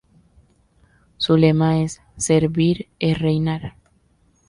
Su lema es "Servir es Reinar".